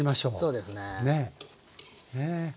そうですね。